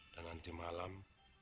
dan nanti malam